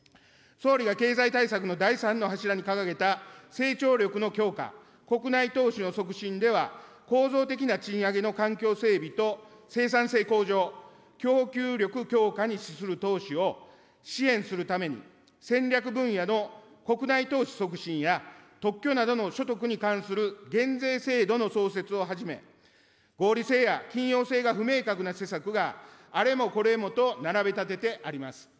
総理が経済対策の第３の柱に掲げた成長力の強化、国内投資の促進では、構造的な賃上げの環境整備と生産性向上、供給力強化に資する投資を支援するために、戦略分野の国内投資促進や特許などの所得に関する減税制度の創設をはじめ、合理性や緊要性が不明確な施策があれもこれもと並べ立ててあります。